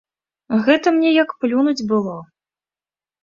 Гэта мне як плюнуць было.